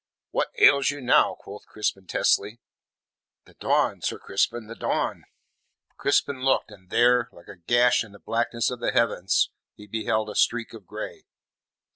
"What ails you now?" quoth Crispin testily. "The dawn, Sir Crispin. The dawn." Crispin looked, and there, like a gash in the blackness of the heavens, he beheld a streak of grey.